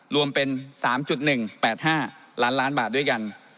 รวมเป็น๓๑๘๕ล้านล้านบาทด้วยกัน